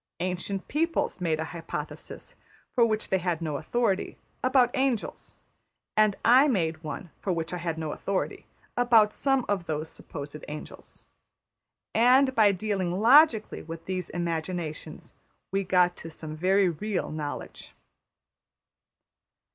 Ancient peoples made a hypothesis, for which they had no authority, about angels; and I made one, for which I had no authority, about some of those supposed angels. And, by dealing logically with these imaginations, we got to some very real knowledge.